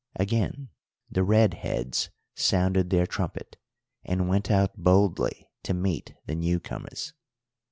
Again the red heads sounded their trumpet, and went out boldly to meet the new comers.